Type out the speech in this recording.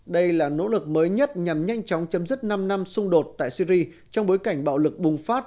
đây là nỗ lực mới nhất nhằm nhanh chóng chấm dứt năm năm xung đột tại syri trong bối cảnh bạo lực bùng phát